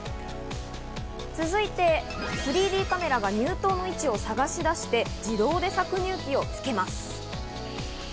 続いて３Ｄカメラが乳頭の位置を探し出して、自動で搾乳機をつけます。